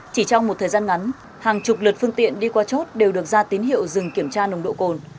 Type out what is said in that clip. chỉ trong một thời gian ngắn hàng chục lượt phương tiện đi qua chốt đều được ra tín hiệu dừng kiểm tra nồng độ cồn